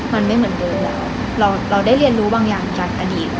มันไม่เหมือนเดิมแล้วเราได้เรียนรู้บางอย่างจากอดีต